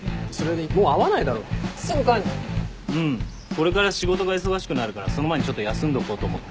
これから仕事が忙しくなるからその前にちょっと休んどこうと思って。